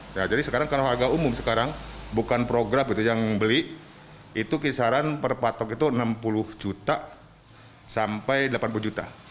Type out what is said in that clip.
nah jadi sekarang kalau harga umum sekarang bukan program gitu yang beli itu kisaran per patok itu enam puluh juta sampai delapan puluh juta